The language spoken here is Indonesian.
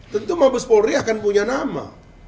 tentu mabespori akan punya nama